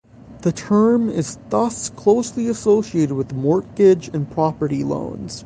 The term is thus closely associated with mortgage and property loans.